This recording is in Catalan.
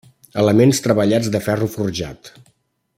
Elements treballats de ferro forjat.